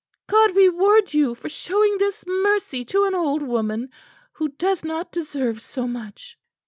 "God reward you for showing this mercy to an old woman who does not deserve so much."